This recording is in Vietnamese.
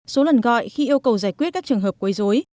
số lần gọi khi yêu cầu giải quyết các trường hợp quấy dối